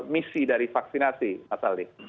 misi dari vaksinasi pak salih